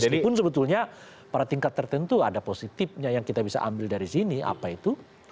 meskipun sebetulnya pada tingkat tertentu ada positifnya yang kita bisa ambil dari sini apa itu